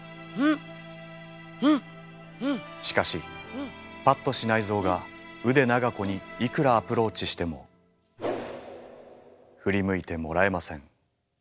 しかし八渡支内造が腕長子にいくらアプローチしても振り向いてもらえません。